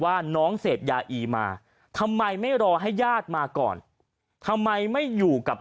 ว่าน้องเสพยาอีมาทำไมไม่รอให้ญาติมาก่อนทำไมไม่อยู่กับ